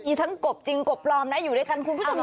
มีทั้งงบจริงกบล้อมอยู่ดีตอนนี้นะคะ